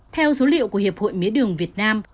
theo số liệu của hiệp hội mía đường việt nam